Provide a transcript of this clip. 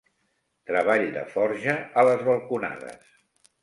Treball de forja a les balconades.